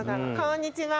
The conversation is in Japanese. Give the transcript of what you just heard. こんにちは。